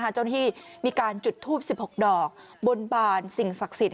เจ้าหน้าที่มีการจุดทูป๑๖ดอกบนบานสิ่งศักดิ์สิทธิ